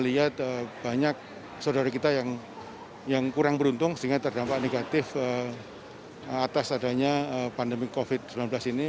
kita lihat banyak saudara kita yang kurang beruntung sehingga terdampak negatif atas adanya pandemi covid sembilan belas ini